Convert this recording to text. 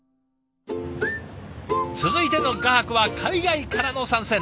続いての画伯は海外からの参戦。